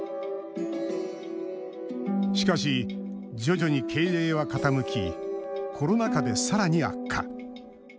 しかし、徐々に経営は傾きコロナ禍で、さらに悪化。